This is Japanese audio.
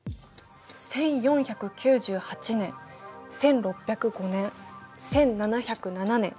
１４９８年１６０５年１７０７年